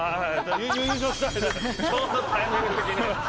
ちょうどタイミング的にも。